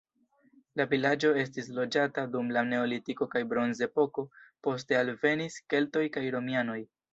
La vilaĝo estis loĝata dum la neolitiko kaj bronzepoko, poste alvenis keltoj kaj romianoj.